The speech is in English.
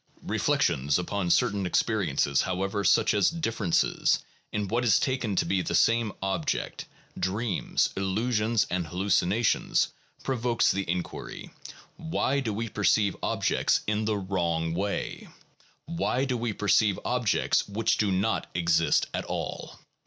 Reflection upon certain experiences, however, such as differ ences in what is taken to be the same object, dreams, illusions, and hallucinations, provokes the inquiry, Why do we perceive objects in the wrong way; why do we perceive objects which do not exist at all?